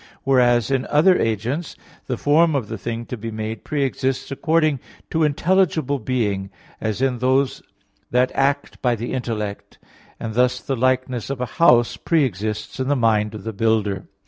Whereas in other agents (the form of the thing to be made pre exists) according to intelligible being, as in those that act by the intellect; and thus the likeness of a house pre exists in the mind of the builder.